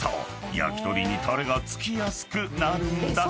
［焼鳥にタレが付きやすくなるんだそう］